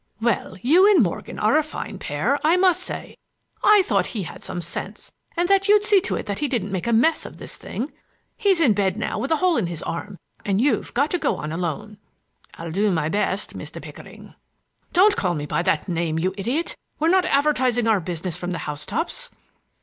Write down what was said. "Well, you and Morgan are a fine pair, I must say! I thought he had some sense, and that you'd see to it that he didn't make a mess of this thing. He's in bed now with a hole in his arm and you've got to go on alone." "I'll do my best, Mr. Pickering." "Don't call me by name, you idiot. We're not advertising our business from the housetops."